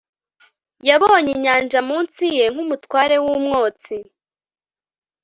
yabonye inyanja munsi ye, nkumutware wumwotsi